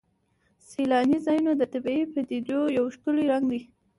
سیلاني ځایونه د طبیعي پدیدو یو ښکلی رنګ دی.